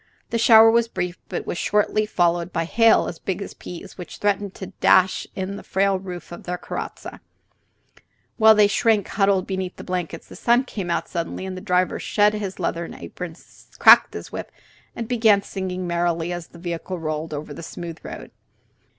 The shower was brief, but was shortly followed by hail as big as peas, which threatened to dash in the frail roof of their carrozza. While they shrank huddled beneath the blankets, the sun came out suddenly, and the driver shed his leathern apron, cracked his whip, and began singing merrily as the vehicle rolled over the smooth road.